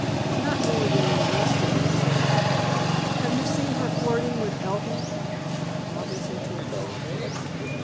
"Not more than the rest of 'em, sir." "Have you seen her flirting with Elkin?" Robinson took thought.